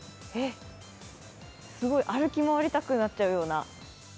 すごい、歩く回りたくなっちゃうような。